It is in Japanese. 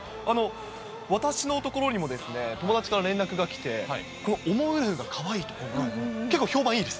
私の所にも、友達から連絡が来て、このおもウルフがかわいいと、結構評判いいです。